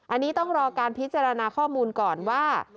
อันนี้ต้องรอการพิจารณาข้อมูลก่อนว่า